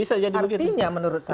artinya menurut saya